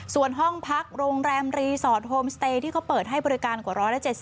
ส่วนห้องพักโรงแรมรีสอร์ทโฮมสเตย์ที่เขาเปิดให้บริการกว่า๑๗๐